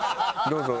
どうぞ。